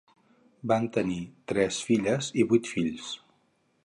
Van tenir tres filles i vuit fills.